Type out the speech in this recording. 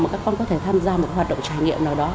mà các con có thể tham gia một hoạt động trải nghiệm nào đó